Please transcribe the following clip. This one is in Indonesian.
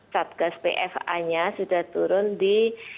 satgas pfanya sudah turun di